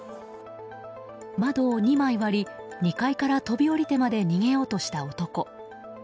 窓を２枚割り２階から飛び降りてまで逃げようとした男。